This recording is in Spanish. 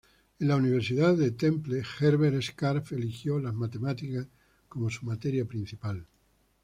En la Universidad de Temple, Herbert Scarf eligió las matemáticas como su materia principal.